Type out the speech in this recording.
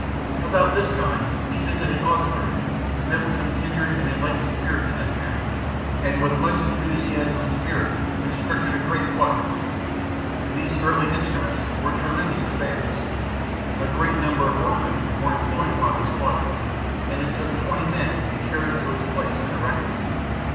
About this time he visited Augsburg, met with some kindred and enlightened spirits in that town, and with much enthusiasm and spirit constructed a great quadrant. These early instruments were tremendous affairs. A great number of workmen were employed upon this quadrant, and it took twenty men to carry it to its place and erect it.